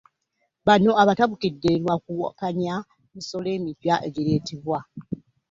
Bano abatabukidde lwa kuwakanya misolo emipya egireetebwa.